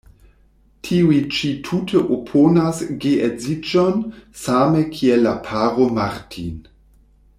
Tiuj ĉi tute oponas geedziĝon, same kiel la paro Martin.